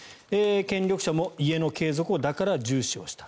権力者も家の継続をだから重視した。